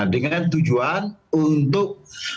dengan tujuan untuk